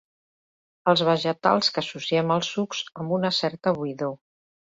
Els vegetals que associem als sucs amb una certa buidor.